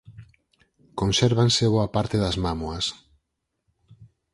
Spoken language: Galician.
Consérvanse boa parte das mámoas.